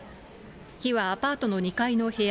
火はアパートの２階の部屋